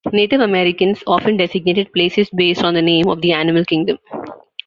Native Americans often designated places based on the name of the animal kingdom.